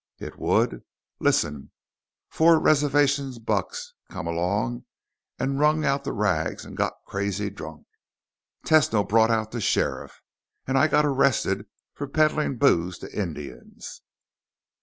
"It would? Listen, four reservation bucks come along, wrung out the rags, and got crazy drunk. Tesno brought out the sheriff, and I got arrested for peddling booze to Indians!"